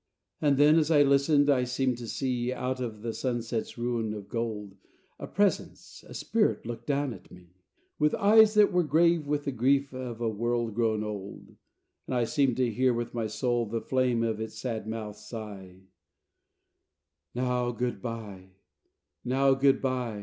XI And then as I listened I seemed to see, Out of the sunset's ruin of gold, A presence, a spirit, look down at me, With eyes that were grave with the grief of a world grown old; And I seemed to hear, with my soul, the flame of its sad mouth sigh: "Now good by, now good by.